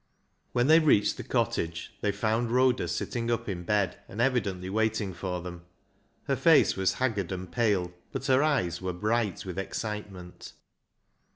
When they reached the cottage, they found Rhoda sitting up in bed, and evidently waiting for them. Her face was haggard and pale, but her eyes were bright with excitement.